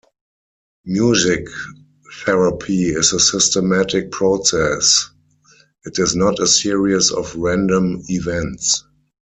Music therapy is a systematic process; it is not a series of random events.